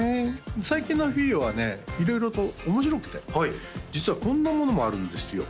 最近のＦｉｉＯはね色々と面白くて実はこんなものもあるんですよ